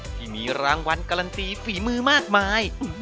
ที่มีรางวัลการันตีฝีมือมากมาย